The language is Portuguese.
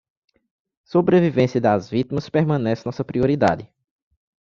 Sobrevivência das vítimas permanece nossa prioridade!